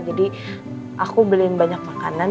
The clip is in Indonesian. jadi aku beliin banyak makanan